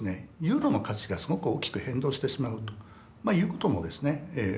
ユーロの価値がすごく大きく変動してしまうということもですね起こるので。